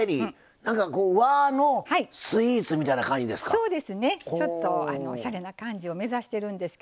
なんか和のスイーツみたいな感じですか。